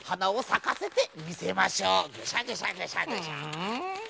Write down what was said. うん。